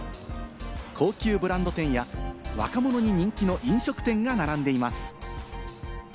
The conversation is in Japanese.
高級ブランド店や若者に人気の飲食店が並んでいます。